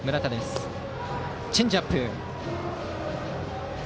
ここはチェンジアップ。